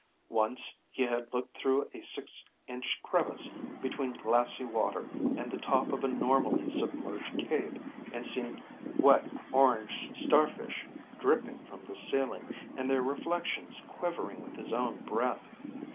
Once he had looked through a six inch crevice between glassy water and the top of a normally submerged cave and seen wet, orange starfish dripping from the ceiling and their reflections quivering with his own breath.